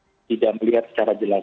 karena tidak melihat secara jelas